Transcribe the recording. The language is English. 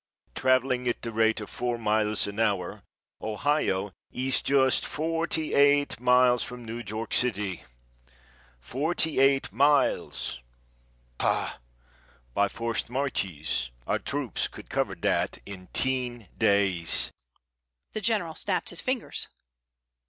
Travelling at the rate of four miles an hour, Ohio is just forty eight miles from New York city! Forty eight miles! Pah! By forced marches our troops could cover that in ten days." The General snapped his fingers.